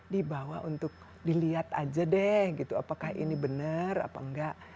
dibawa untuk dilihat aja deh gitu apakah ini benar apa enggak